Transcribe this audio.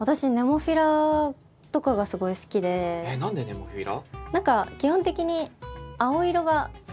えっ何でネモフィラ？